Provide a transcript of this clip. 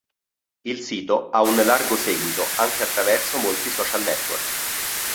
Il sito ha un largo seguito anche attraverso molti social network.